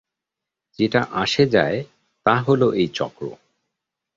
যেটা আসে যায়, তা হল এই চক্র।